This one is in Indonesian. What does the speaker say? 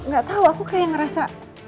gak tahu aku kayak ngerasa